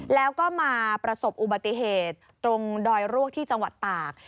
แล้วก็มาประสบอุบัติเหตุตรงดอยรวกที่จังหวัดตาก